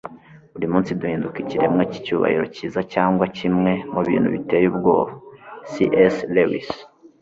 buri munsi duhinduka ikiremwa cy'icyubahiro cyiza cyangwa kimwe mu bintu biteye ubwoba - c s lewis